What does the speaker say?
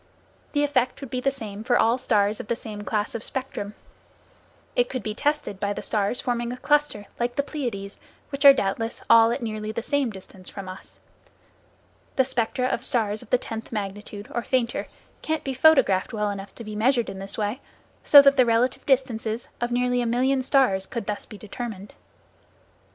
The effect would be the same for all stars of the same class of spectrum. It could be tested by the stars forming a cluster, like the Pleiades, which are doubtless all at nearly the same distance from us. The spectra of stars of the tenth magnitude, or fainter, can be photographed well enough to be measured in this way, so that the relative distances of nearly a million stars could be thus determined.